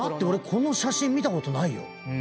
俺この写真見たことないよ。